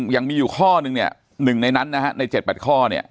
ยังมีอยู่ข้อหนึ่งหนึ่งในนั้นใน๗๘ข้อ